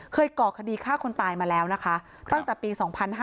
ก่อคดีฆ่าคนตายมาแล้วนะคะตั้งแต่ปี๒๕๕๙